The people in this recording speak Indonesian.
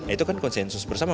itu kan konsensus bersama